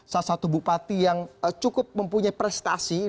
salah satu bupati yang cukup mempunyai prestasi